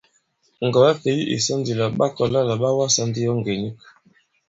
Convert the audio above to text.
Ŋgɔ̀wɛ-fěy ì sɔ ndi àlà ɓa kɔ̀la là ɓa wasā ndi yo ngè nik.